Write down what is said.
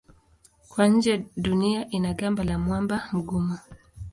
Kwa nje Dunia ina gamba la mwamba mgumu.